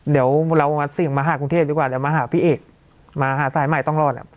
เดี๋ยวเรามาเสี่ยงมาหากรุงเทพดีกว่าเดี๋ยวมาหาพี่เอกมาหาสายใหม่ต้องรอด